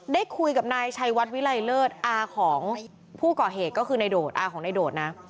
ได้คุยกับนายชัยวัดวิลัยเลิศอาของผู้ก่อเหตุก็คือในโดดอาของนายโดดนะ